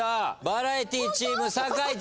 バラエティチーム酒井ちゃん！